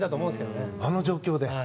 あの状況で。